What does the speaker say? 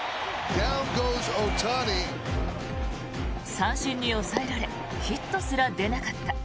三振に抑えられヒットすら出なかった。